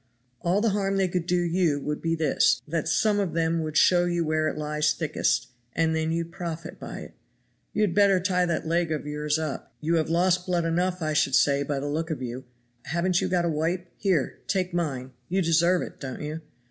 All the harm they could do you would be this, that some of them would show you where it lies thickest, and then you'd profit by it. You had better tie that leg of yours up; you have lost blood enough I should say by the look of you; haven't you got a wipe? here, take mine you deserve it, don't you?